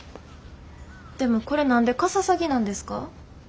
でもこれ何でかささぎなんですか？